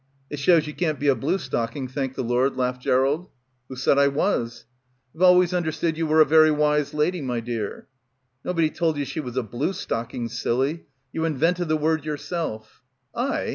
"It shows you can't be a blue stocking, thank the Lord," laughed Gerald. "Who said I was?" "I've always understood you were a very wise lady, my dear." "Nobody told you she was a blue stocking, silly. You invented the word yourself." "I?